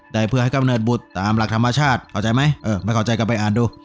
ได้เพื่อให้กำเนิดบุตรตามหลักธรรมชาติเข้าใจไหมเออไม่เข้าใจก็ไปอ่านดู